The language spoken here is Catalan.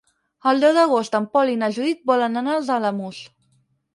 El deu d'agost en Pol i na Judit volen anar als Alamús.